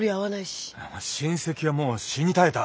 親戚はもう死に絶えた。